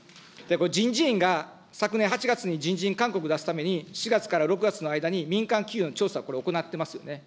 これ、人事院が昨年８月に人事院勧告を出すために４月から６月の間に民間企業の調査、行っていますよね。